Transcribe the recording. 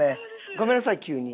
ごめんなさい急に。